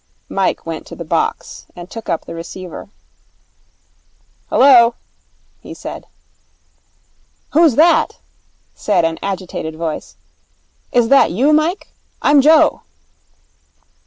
Mike went to the box and took up the receiver. 'Hullo!' he said. 'Who's that?' said an agitated voice. 'Is that you, Mike? I'm Joe.'